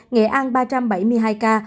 nghệ an ba trăm bảy mươi hai ca